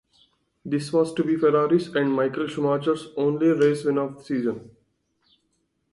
This was to be Ferrari's and Michael Schumacher's only race win of the season.